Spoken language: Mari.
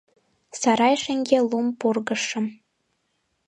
Сарай шеҥгел лум пургыжшым